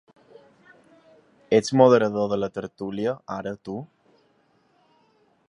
Ets moderador de la tertúlia, ara, tu?